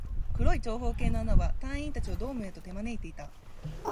黒い長方形の穴は、隊員達をドームへと手招いていた